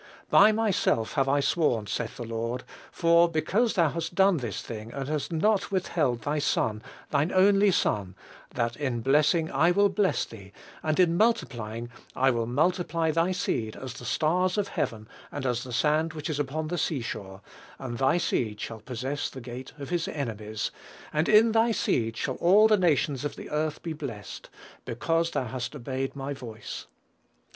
"By myself have I sworn, saith the Lord; for because thou hast done this thing, and hast not withheld thy son, thine only son, that in blessing I will bless thee, and in multiplying I will multiply thy seed as the stars of heaven, and as the sand which is upon the sea shore; and thy seed shall possess the gate of his enemies; and in thy seed shall all the nations of the earth be blessed: because thou hast obeyed my voice."